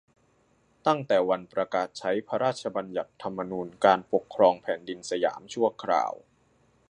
ตั้งแต่วันประกาศใช้พระราชบัญญัติธรรมนูญการปกครองแผ่นดินสยามชั่วคราว